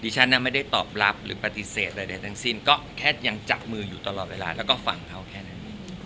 ฉันไม่ได้ตอบรับหรือปฏิเสธใดทั้งสิ้นก็แค่ยังจับมืออยู่ตลอดเวลาแล้วก็ฝั่งเขาแค่นั้น